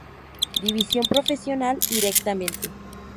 División profesional directamente.